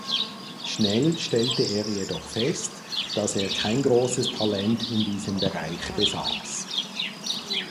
Schnell stellte er jedoch fest, dass er kein großes Talent in diesem Bereich besaß.